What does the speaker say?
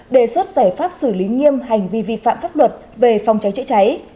đề xuất giải pháp xử lý nghiêm hành vi vi phạm pháp luật về phòng cháy chữa cháy